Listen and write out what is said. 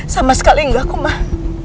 sama sekali enggak kok mah